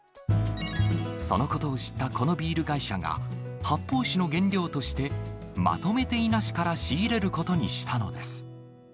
そのことを知ったこのビール会社が、発泡酒の原料として、まとめて伊那市から仕入れることにしたのです。